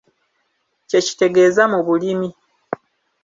Kye kitegeeza mu bulimi.